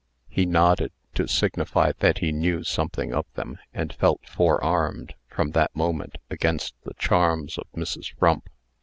He nodded, to signify that he knew something of them, and felt forearmed, from that moment, against the charms of Mrs. Frump.